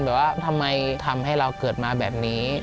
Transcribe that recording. ว่าทำไมทำให้เราเกิดมาแบบนี้